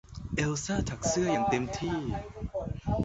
เอลซ่าถักเสื้ออย่างเต็มที่